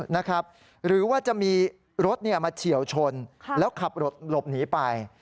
หรือว่าจะมีรถมาเฉียวชนแล้วขับรถหลบหนีไป